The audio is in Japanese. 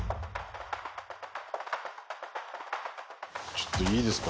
ちょっといいですか？